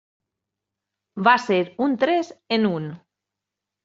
Va ser un tres en un.